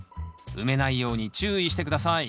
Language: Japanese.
埋めないように注意して下さい。